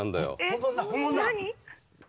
本物だ本物だ。